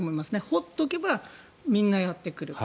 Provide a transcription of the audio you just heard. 掘っておけばみんなやってくる。